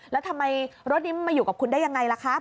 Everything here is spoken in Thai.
แล้วทำไมรถนี้มาอยู่กับคุณได้ยังไงล่ะครับ